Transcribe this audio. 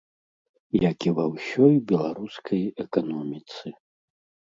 Як і ва ўсёй беларускай эканоміцы.